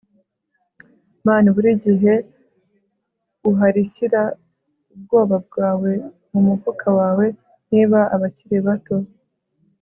man ariko mugihe uhari shyira ubwoba bwawe mumufuka wawe. niba abakiri bato